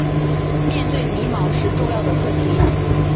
面对迷惘时重要的课题